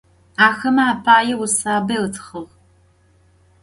Axeme apaê vusabe ıtxığ.